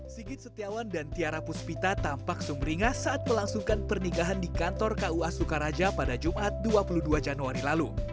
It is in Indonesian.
sigit setiawan dan tiara puspita tampak sumringah saat melangsungkan pernikahan di kantor kua sukaraja pada jumat dua puluh dua januari lalu